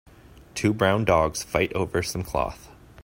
Two brown dogs fight over some cloth.